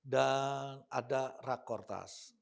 dan ada rak kertas